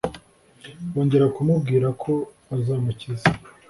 bongera kumubwira ko bazamukiza,